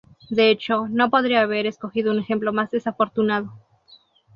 De hecho, no podría haber escogido un ejemplo más desafortunado.